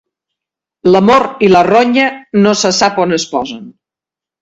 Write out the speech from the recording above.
L'amor i la ronya no se sap on es posen.